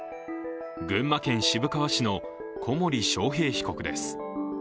群馬県渋川市の小森章平被告です。